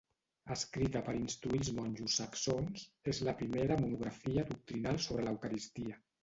Escrita per instruir els monjos saxons, és la primera monografia doctrinal sobre l'eucaristia.